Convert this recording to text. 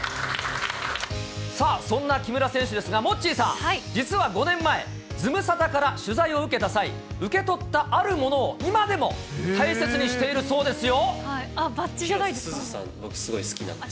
さあ、そんな木村選手ですが、モッチーさん、実は５年前、ズムサタから取材を受けた際、受け取ったあるものを、今でも大切にしているそうですよ。